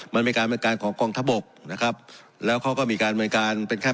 มันเป็นการบริการของกองทัพบกนะครับแล้วเขาก็มีการบริการเป็นแค่